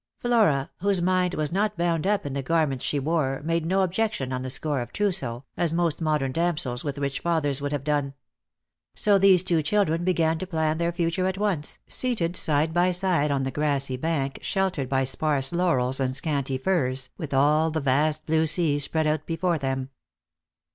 Flora, whose mind was not bound up in the garments she wore, made no objection on the score of trousseau, as most modern damsels with rich fathers would have done. So these two children began to plan their future at once, seated side by side on the grassy bank sheltered by sparse laurels and scanty tirs, with all the vast blue sea spread out before them.